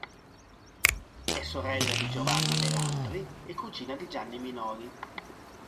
È sorella di Giovanna Melandri e cugina di Gianni Minoli.